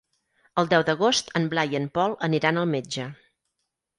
El deu d'agost en Blai i en Pol aniran al metge.